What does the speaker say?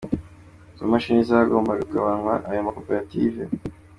Izo mashini zagombaga kugabanywa ayo makoperative.